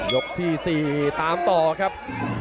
ยกที่๔ตามต่อครับ